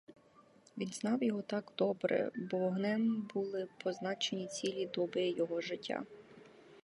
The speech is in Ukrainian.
Він знав його так добре, бо вогнем були позначені цілі доби його життя.